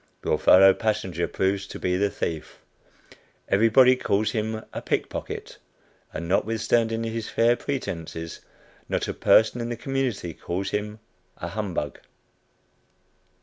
Your fellow passenger proves to be the thief. Everybody calls him a "pickpocket," and not withstanding his "fair pretences," not a person in the community calls him a "humbug."